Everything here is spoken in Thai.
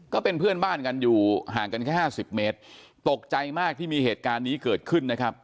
ก็เป็นเพื่อนบ้านกันอยู่ห่างกันแค่ห้าสิบเมตรตกใจมากที่มีเหตุการณ์นี้เกิดขึ้นนะครับ